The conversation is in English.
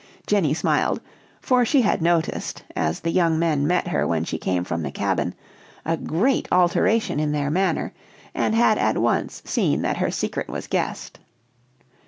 Jenny smiled; for she had noticed, as the young men met her when she came from the cabin, a great alteration in their manner, and had at once seen that her secret was guessed.